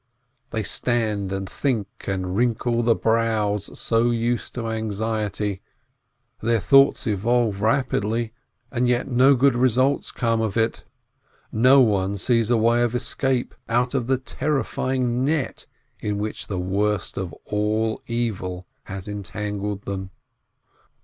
They stand and think, and wrinkle the brows so used to anxiety; their thoughts evolve rapidly, and yet no good result comes of it, no one sees a way of escape out of the terrifying net in which the worst of all evil has entangled them.